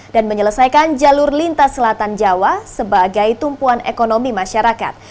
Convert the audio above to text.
dan menyelesaikan jalur lintas selatan jawa sebagai tumpuan ekonomi masyarakat